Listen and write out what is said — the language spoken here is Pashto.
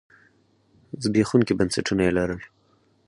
زبېښونکي بنسټونه یې لرل.